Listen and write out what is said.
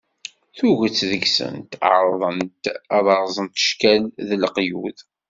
Tuget deg-sent ɛerḍent ad rẓent cckal, d leqyud.